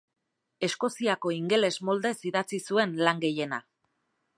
Eskoziako ingeles moldez idatzi zuen lan gehiena.